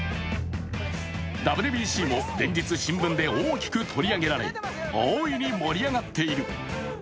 ＷＢＣも連日、新聞で大きく取り上げられ大いに盛り上がっている。